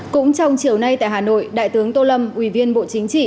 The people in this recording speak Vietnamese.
cũng trong chiều nay tại hà nội đại tướng tô lâm ủy viên bộ chính trị